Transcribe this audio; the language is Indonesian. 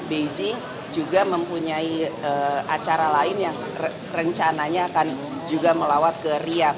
dan juga mempunyai acara lain yang rencananya akan juga melawat ke riyad